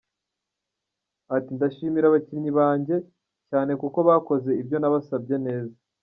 Ati “Ndashimira abakinnyi banjye cyane kuko bakoze ibyo nabasabye neza.